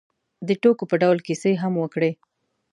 د ټوکو په ډول کیسې هم وکړې.